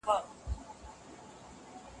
چاپېريال د ماشوم لپاره خوندي جوړ کړئ.